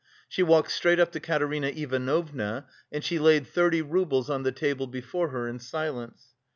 She walked straight up to Katerina Ivanovna and she laid thirty roubles on the table before her in silence.